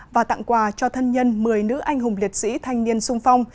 và tặng quà cho thân nhân một mươi nữ anh hùng liệt sĩ thanh niên sung phong